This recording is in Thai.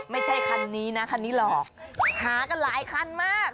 ไม่ใช่คันนี้นะคันนี้หรอกหากันหลายคันมาก